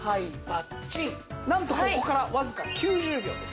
なんとここからわずか９０秒です。